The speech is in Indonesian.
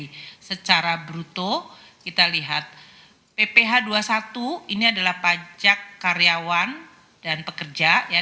jadi secara bruto kita lihat pph dua puluh satu ini adalah pajak karyawan dan pekerja